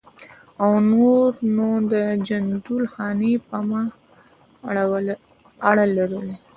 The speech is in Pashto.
او نور نو د جندول خاني په ما اړه لري.